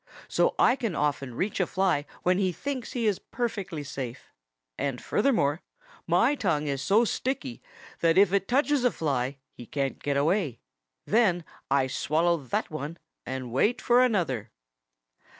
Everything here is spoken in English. So I can often reach a fly when he thinks he's perfectly safe. And furthermore, my tongue is so sticky that if it touches a fly, he can't get away. Then I swallow that one and wait for another."